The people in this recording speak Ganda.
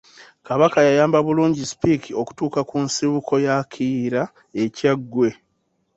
Kabaka yayamba bulungi Speke okutuuka ku nsibuko ya Kiyira e Kyaggwe.